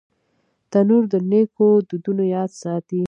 تنور د نیکو دودونو یاد ساتي